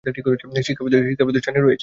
শিক্ষা প্রতিষ্ঠান রয়েছে-